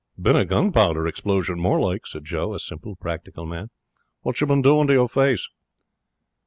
'Been a gunpowder explosion, more like,' said Joe, a simple, practical man. 'What you been doin' to your face?'